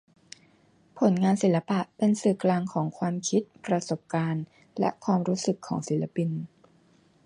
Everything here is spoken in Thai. ผลงานศิลปะเป็นสื่อกลางของ ความคิด ประสบการณ์ และ ความรู้สึกของศิลปิน